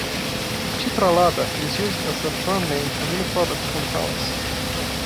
"Chitralada" is used as the brandname for many products from the palace.